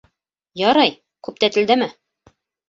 Ярай, күп тәтелдәмә...